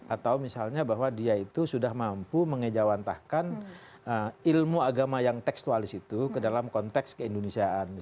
atau misalnya bahwa dia itu sudah mampu mengejawantahkan ilmu agama yang tekstualis itu ke dalam konteks keindonesiaan